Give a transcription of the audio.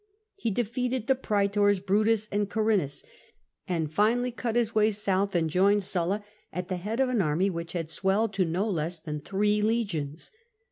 He defeated the praetors Brutus and Carrinas, and finally cut his way south, and joined Sulla at the head of an army which had swelled to no less than three legions.